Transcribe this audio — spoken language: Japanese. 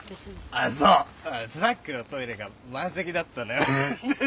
ああそうスナックのトイレが満席だったのよフフフ。